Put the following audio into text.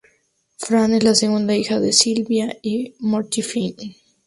Fran es la segunda hija de Sylvia y Morty Fine.